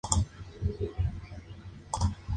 Mis emociones cambian.